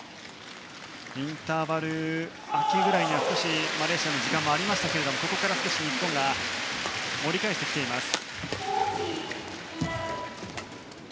インターバル明けぐらいには少しマレーシアの時間もありましたけどもここから少し日本が盛り返してきています。